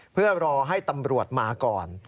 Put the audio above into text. ก็จะรอให้ตำรวจมาก่อน